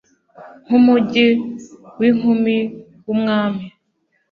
Nkumujyi winkumi wumwami